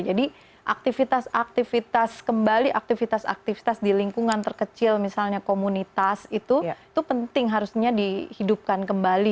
jadi aktivitas aktivitas kembali aktivitas aktivitas di lingkungan terkecil misalnya komunitas itu penting harusnya dihidupkan kembali